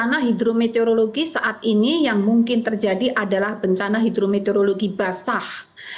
bencana hidrometeorologi saat ini yang mungkin terjadi adalah bencana hidrometeorologi basah